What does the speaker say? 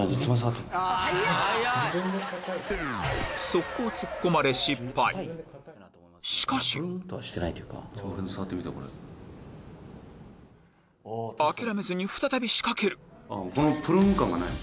即行ツッコまれ失敗しかし諦めずに再び仕掛けるこのプルン感がない。